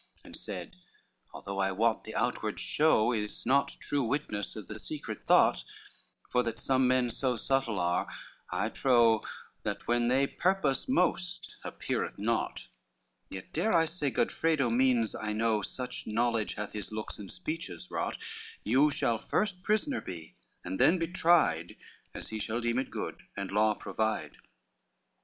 XLI And said, "Although I wot the outward show Is not true witness of the secret thought, For that some men so subtle are, I trow, That what they purpose most appeareth naught; Yet dare I say Godfredo means, I know, Such knowledge hath his looks and speeches wrought, You shall first prisoner be, and then be tried As he shall deem it good and law provide."